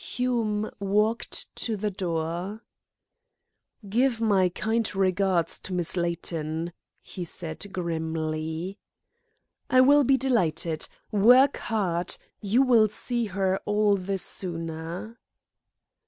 Hume walked to the door. "Give my kind regards to Miss Layton," he said grimly. "I will be delighted. Work hard. You will see her all the sooner."